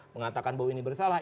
mengatakan bahwa ini bersalah